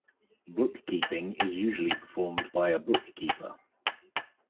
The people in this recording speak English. Bookkeeping is usually performed by a bookkeeper.